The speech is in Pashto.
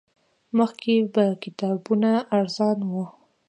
مخکې به کتابونه ارزان وو